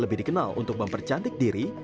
dan tidak dikenal untuk mempercantik diri